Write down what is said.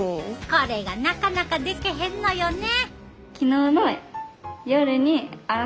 これがなかなかできへんのよね。